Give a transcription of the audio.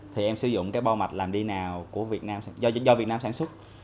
thì em sử dụng cái bao mạch làm đi nào do việt nam sản xuất